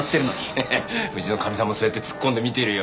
ハハッうちのかみさんもそうやってツッコんで見てるよ。